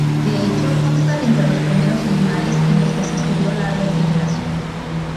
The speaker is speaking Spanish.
De hecho, constan entre los primeros animales en los que se estudió la regeneración.